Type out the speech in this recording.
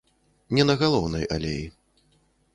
Не на галоўнай алеі.